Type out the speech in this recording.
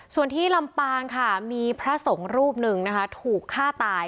ส่วนที่ลำปางค่ะมีพระสงฆ์รูปหนึ่งนะคะถูกฆ่าตาย